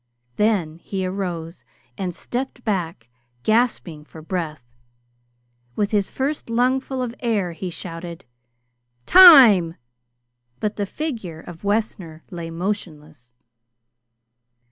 Then he arose and stepped back, gasping for breath. With his first lungful of air he shouted: "Time!" But the figure of Wessner lay motionless.